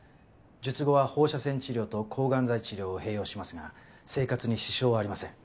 術後は放射線治療と抗癌剤治療を併用しますが生活に支障はありません。